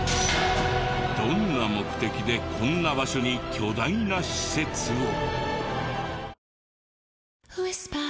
どんな目的でこんな場所に巨大な施設を？